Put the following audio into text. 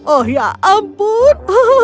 oh ya ampun